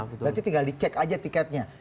berarti tinggal dicek aja tiketnya